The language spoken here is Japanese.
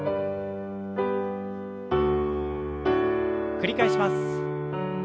繰り返します。